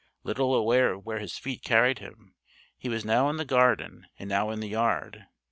Little aware of where his feet carried him, he was now in the garden and now in the yard.